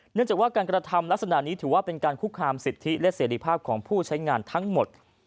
เนื่องจากว่าการกระทำลักษณะนี้ถือว่าเป็นการคุกคามสิทธิและเสรีภาพของผู้ใช้งานทั้งหมด